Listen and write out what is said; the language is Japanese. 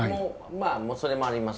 まあそれもあります。